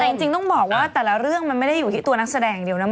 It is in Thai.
แต่จริงต้องบอกว่าแต่ละเรื่องมันไม่ได้อยู่ที่ตัวนักแสดงอย่างเดียวนะ